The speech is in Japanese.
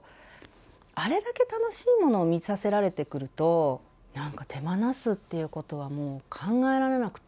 あれだけ楽しいものを見させられてくると、なんか手放すっていうことはもう考えられなくて。